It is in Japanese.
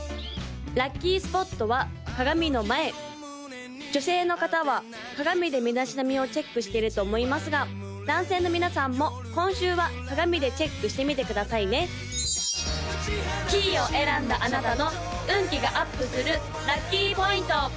・ラッキースポットは鏡の前女性の方は鏡で身だしなみをチェックしてると思いますが男性の皆さんも今週は鏡でチェックしてみてくださいね黄を選んだあなたの運気がアップするラッキーポイント！